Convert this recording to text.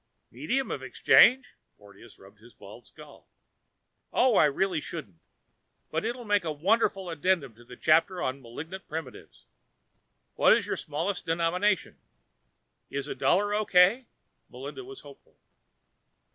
"Medium of exchange?" Porteous rubbed his bald skull. "Oh, I really shouldn't but it'll make such a wonderful addendum to the chapter on malignant primitives. What is your smallest denomination?" "Is a dollar okay?" Melinda was hopeful.